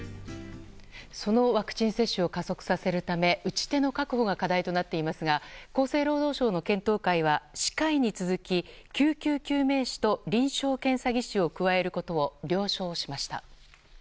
そのワクチン接種を加速させるため打ち手の確保が課題となっていますが厚生労働省の検討会は歯科医に続き救急救命士と臨床検査技師を加えることを了承しました。